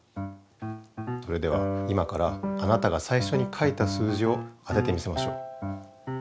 それでは今からあなたが最初に書いた数字を当ててみせましょう。